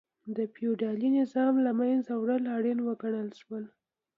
د فیوډالي نظام له منځه وړل اړین وګڼل شو.